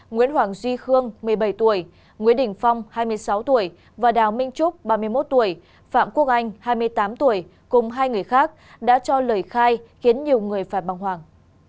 nguyễn hoàng duy khương một mươi bảy tuổi nguyễn đình phong hai mươi sáu tuổi và đào minh trúc ba mươi một tuổi phạm quốc anh hai mươi tám tuổi cùng hai người khác đã cho lời khai khiến nhiều người phải băng hoàng